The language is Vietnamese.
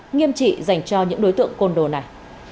nghiêm trị dành cho những đối tượng côn đồ này